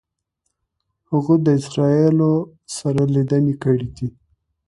هغه د اسرائیلو سره لیدنې کړي دي.